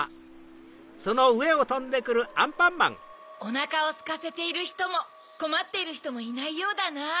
おなかをすかせているひともこまっているひともいないようだな。